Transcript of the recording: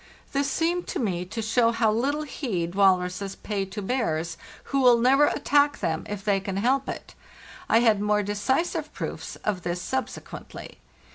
This seemed to me to show how little heed walruses pay to bears, who will never attack them if they can help it. I had more decisive proofs of this sub sequently.